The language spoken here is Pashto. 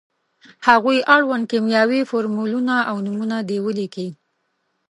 هغو اړوند کیمیاوي فورمولونه او نومونه دې ولیکي.